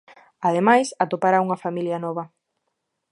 Ademais atopará unha familia nova.